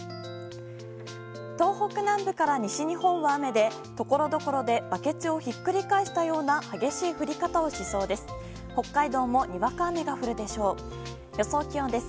東北南部から西日本は雨で、ところどころでバケツをひっくり返したような激しい降り方をしそうです。